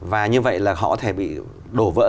và như vậy là họ có thể bị đổ vỡ